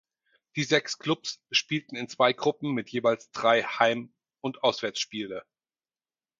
Die sechs Klubs spielten in zwei Gruppen mit jeweils drei Heim- und Auswärtsspiele.